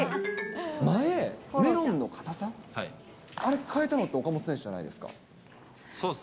前、メロンの硬さ、あれ変えたのって岡本選手じゃないですか。